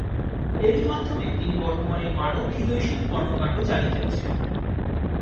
এরই মাধ্যমে তিনি বর্তমানে মানবহিতৈষী কর্মকাণ্ড চালিয়ে যাচ্ছেন।